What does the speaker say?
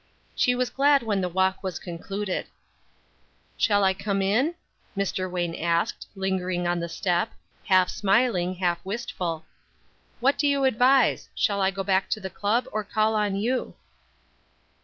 She was glad when the walk was concluded. "Shall I come in?" Mr. Wayne asked, lingering on the step, half smiling, half wistful. "What do you advise, shall I go back to the club or call on you?"